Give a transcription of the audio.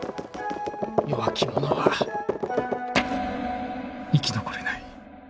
弱き者は生き残れない。